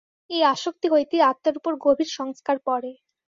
এই আসক্তি হইতেই আত্মার উপর গভীর সংস্কার পড়ে।